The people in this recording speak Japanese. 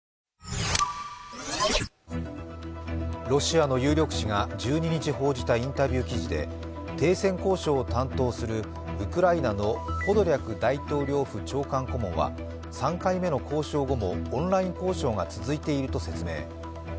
ロシアの有力紙が１２日報じたインタビュー記事で停戦交渉を担当するウクライナのポドリャク大統領府長官顧問は、３回目の交渉後のオンライン交渉が続いていると説明。